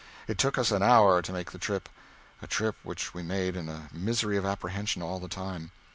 It took us an hour to make the trip a trip which we made in a misery of apprehension all the time.